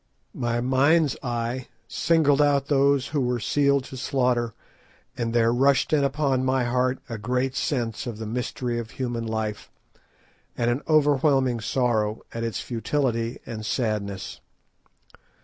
My mind's eye singled out those who were sealed to slaughter, and there rushed in upon my heart a great sense of the mystery of human life, and an overwhelming sorrow at its futility and sadness.